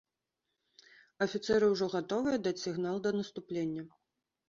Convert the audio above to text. Афіцэры ўжо гатовыя даць сігнал да наступлення.